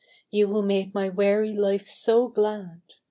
you who made my weary life so glad